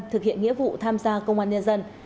thực hiện nghĩa vụ tham gia công an nhân dân